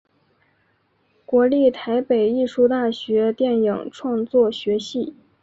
国立台北艺术大学电影创作学系